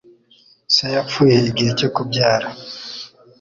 Se yapfuye igihe cyo kubyara.